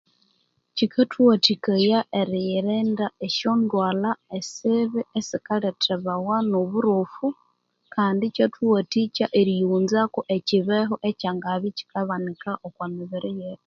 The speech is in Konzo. Kyikatuwatikaya eriyirinda esyandwalha esibi esikaletebawa Noburofu Kandi ikyathuwatikya eriyiwunzaku ekibeho ekyangabya ekikabanika omwamiriyi yetu